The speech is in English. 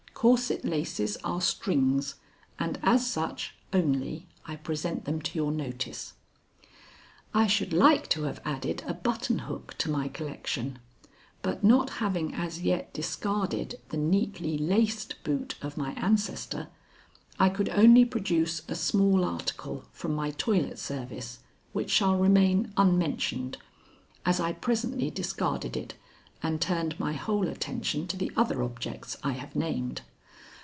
Corset laces are strings, and as such only I present them to your notice.) I should like to have added a button hook to my collection, but not having as yet discarded the neatly laced boot of my ancestor, I could only produce a small article from my toilet service which shall remain unmentioned, as I presently discarded it and turned my whole attention to the other objects I have named.